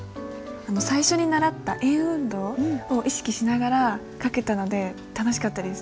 最初に習った円運動を意識しながら書けたので楽しかったです。